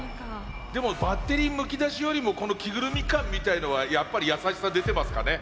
でもバッテリーむき出しよりもこの着ぐるみ感みたいのはやっぱり優しさ出てますかね。